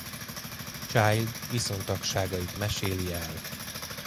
Child viszontagságait meséli el.